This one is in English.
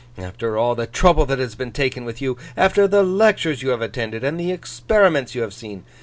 After all the trouble that has been taken with you! After the lectures you have attended, and the experiments you have seen!